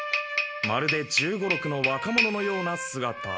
まるで１５１６の若者のようなすがた。